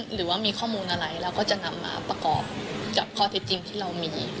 หรือว่ามีข้อมูลอะไรเราก็จะนำมาประกอบกับข้อเท็จจริงที่เรามี